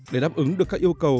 để đáp ứng được các yêu cầu